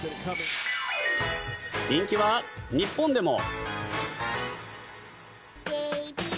人気は、日本でも。